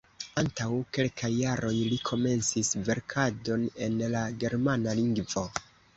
Antaŭ kelkaj jaroj li komencis verkadon en la germana lingvo.